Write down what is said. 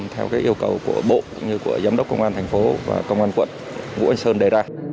theo yêu cầu của bộ cũng như của giám đốc công an thành phố và công an quận vũ anh sơn đề ra